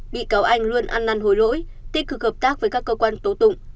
bị cáo anh luôn ăn năn hối lỗi tích cực hợp tác với các cơ quan tố tụng